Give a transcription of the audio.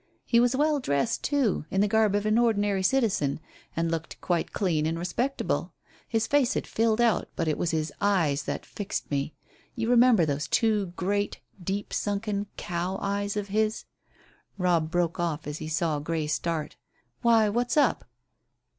"He was well dressed, too, in the garb of an ordinary citizen, and looked quite clean and respectable. His face had filled out; but it was his eyes that fixed me. You remember those two great, deep sunken, cow eyes of his " Robb broke off as he saw Grey start. "Why, what's up?"